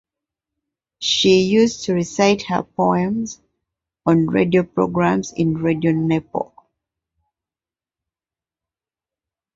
She used to recite her poems on radio programs in Radio Nepal.